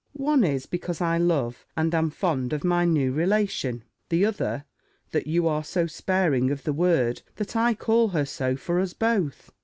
"One is, because I love, and am fond of my new relation: the other, that you are so sparing of the word, that I call her so for us both."